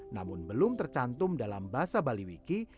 namun belum tercantum dalam bahasa bali wiki